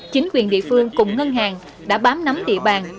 chính quyền địa phương cùng ngân hàng đã bám nắm địa bàn